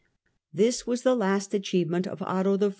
This was the last achievement of Otto I.'